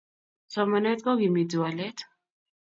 Somanet kokimiti walet